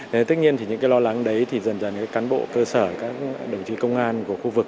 thế tất nhiên thì những cái lo lắng đấy thì dần dần các cán bộ cơ sở các đồng chí công an của khu vực